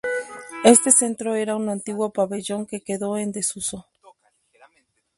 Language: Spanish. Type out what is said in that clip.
Este centro era un antiguo pabellón que quedó en desuso.